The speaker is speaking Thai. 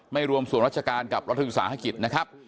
รวมส่วนราชการกับรัฐวิสาหกิจนะครับ